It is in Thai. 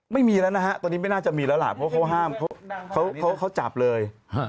ไม่มีแล้วนะฮะตอนนี้ไม่น่าจะมีแล้วล่ะเพราะเขาห้ามเขาจับเลย